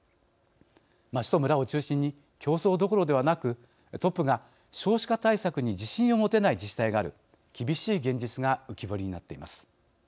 町と村を中心に競争どころではなくトップが少子化対策に自信を持てない自治体がある厳しい現実が浮き彫りになっています。